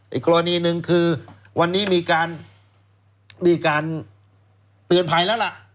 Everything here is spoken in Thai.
อีกกรณีหนึ่งคือวันนี้มีการเตือนภัยแล้วล่ะ